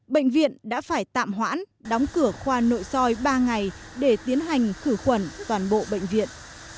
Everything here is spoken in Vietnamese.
bệnh viện đã phải tạm hoãn đóng cửa khoa nội soi ba ngày để tiến hành khử khuẩn toàn bộ bệnh viện